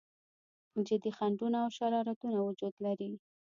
جدي خنډونه او شرارتونه وجود لري.